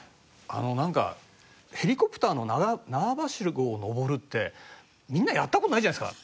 なんかヘリコプターの縄バシゴを登るってみんなやった事ないじゃないですか。